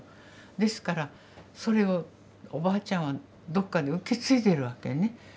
ですからそれをおばあちゃんはどっかで受け継いでるわけね。